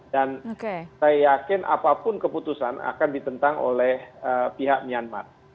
dan saya yakin apapun keputusan akan ditentang oleh pihak myanmar